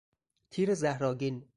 تیر زهرآگین